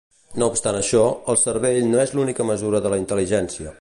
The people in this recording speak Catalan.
No obstant això, el cervell no és l'única mesura de la intel·ligència.